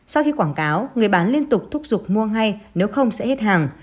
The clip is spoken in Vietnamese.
sau khi quảng cáo người bán liên tục thúc giục mua ngay nếu không sẽ hết hàng